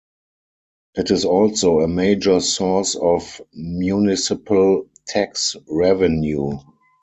It is also a major source of municipal tax revenue.